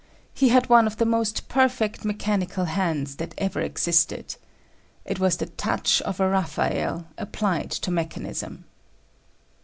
He had one of the most perfect mechanical hands that ever existed. It was the touch of a Raphael applied to mechanism.